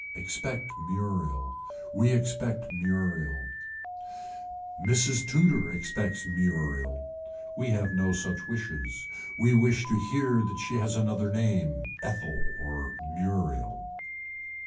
Expect Muriel. We expect Muriel Mrs. Tudor expects Muriel. We have no such wishes. We wish to hear that she has another name, Ethel or Muriel.